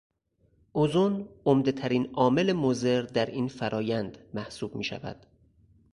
ازن عمدهترین عامل مضر در این فرآیند محسوب میشود.